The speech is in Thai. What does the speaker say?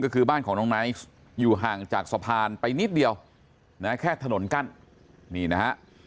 ก็คือบ้านของน้องไนท์อยู่ห่างจากสะพานไปนิดเดียวนะแค่ถนนกั้นนี่นะฮะ